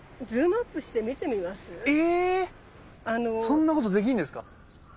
そんなことできるんですか！？